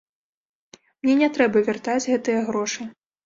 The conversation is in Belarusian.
Мне не трэба вяртаць гэтыя грошы.